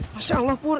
masya allah pur